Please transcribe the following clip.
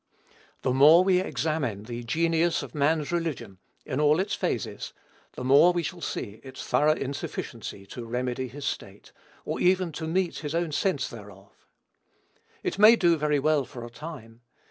The more we examine the genius of man's religion, in all its phases, the more we shall see its thorough insufficiency to remedy his state, or even to meet his own sense thereof. It may do very well for a time.